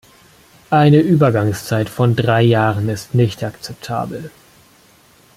Eine Übergangszeit von drei Jahren ist nicht akzeptabel.